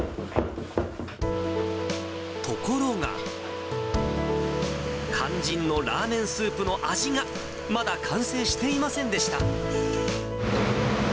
ところが、肝心のラーメンスープの味が、まだ完成していませんでした。